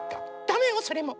ダメよそれも。